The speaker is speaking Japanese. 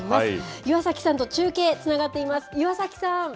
岩崎さんと中継、つながっています。